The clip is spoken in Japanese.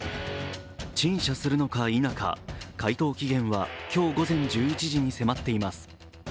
陳謝するのか否か、回答期限は今日午前１１時に迫っています。